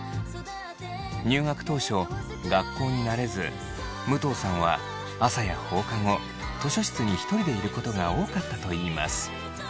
入学当初学校に慣れず武藤さんは朝や放課後図書室にひとりでいることが多かったといいます。